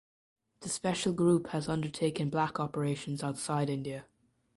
The Special Group has undertaken black operations outside India.